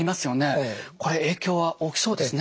これ影響は大きそうですね。